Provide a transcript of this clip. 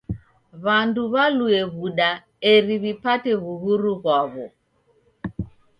W'andu w'alue w'uda eri w'ipate w'uhuru ghwaw'o.